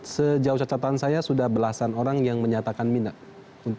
sejauh catatan saya sudah belasan orang yang menyatakan minat